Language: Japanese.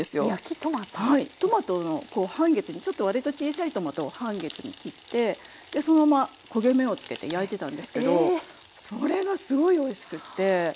はいトマトを半月に割と小さいトマトを半月に切ってそのまま焦げ目をつけて焼いてたんですけどそれがすごいおいしくって。